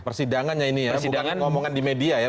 persidangannya ini ya bukan ngomongan di media ya